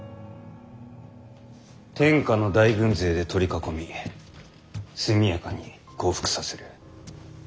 天下の大軍勢で取り囲み速やかに降伏させる。